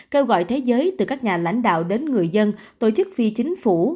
kêu gọi thế giới từ các nhà lãnh đạo đến người dân tổ chức phi chính phủ